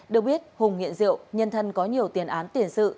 được biết hùng nghiện rượu nhân thân có nhiều tiền án tiền sự